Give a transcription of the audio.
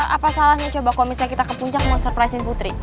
apa salahnya coba kalau misalnya kita ke puncak mau surprise in putri